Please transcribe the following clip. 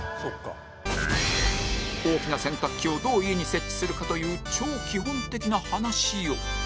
大きな洗濯機をどう家に設置するかという超基本的な話を